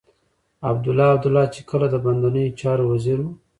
عبدالله عبدالله چې کله د باندنيو چارو وزير و.